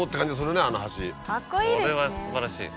これは素晴らしい。